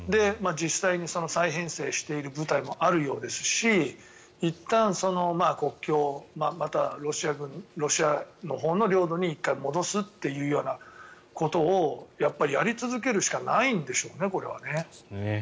実際に再編成している部隊もあるようですしいったん国境またはロシアのほうの領土に１回戻すということをやっぱりやり続けるしかないんでしょうね、これはね。